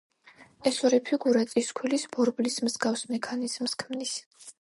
ეს ორი ფიგურა წისქვილის ბორბლის მსგავს მექანიზმს ქმნის.